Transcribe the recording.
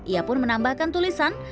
ia pun menambahkan tulisan